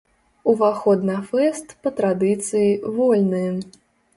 Уваход на фэст, па традыцыі, вольны.